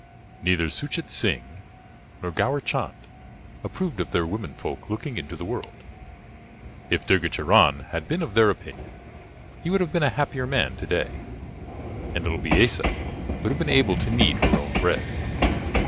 Neither Suchet Singh nor Gaur Chand approved of their women folk looking into the world. If Durga Charan had been of their opinion, he would have been a happier man to day, and little Biessa would have been able to knead her own bread.